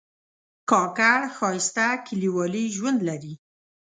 کاکړ ښایسته کلیوالي ژوند لري.